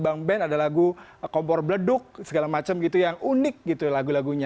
bang ben ada lagu kompor beleduk segala macam gitu yang unik gitu lagu lagunya